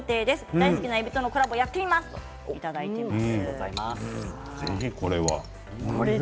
大好きなえびとのコラボやってみますということです。